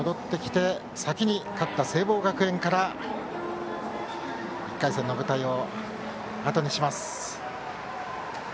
先に勝った聖望学園から１回戦の舞台をあとにします。